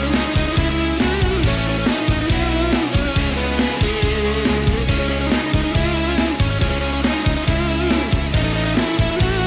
ตัวช่วยเลยครับ